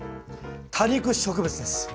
多肉植物です。